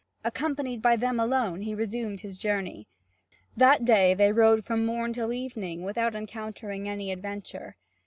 Accompanied by them alone, he resumed his journey. That day they rode from morn till evening without encountering any adventure.